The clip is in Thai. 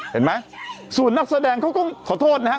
เห็นไหมส่วนนักแสดงเขาก็ขอโทษนะฮะ